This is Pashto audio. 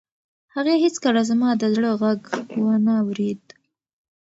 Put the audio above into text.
هغې هیڅکله زما د زړه غږ و نه اورېد.